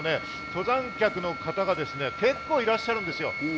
登山客の方がですね結構いらっしゃるんですよ。